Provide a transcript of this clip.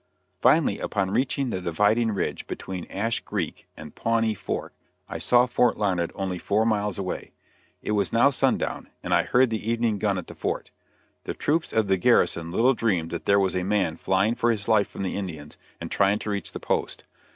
Finally, upon reaching the dividing ridge between Ash Greek and Pawnee Fork, I saw Fort Larned only four miles away. It was now sundown, and I heard the evening gun at the fort. The troops of the garrison little dreamed that there was a man flying for his life from the Indians and trying to reach the post.